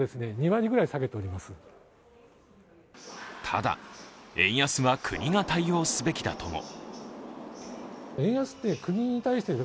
ただ、円安は国が対応すべきだとも。